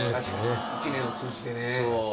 一年を通じてね。